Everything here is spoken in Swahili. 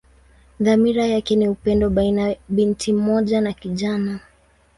Dhamira yake ni upendo baina binti mmoja na kijana.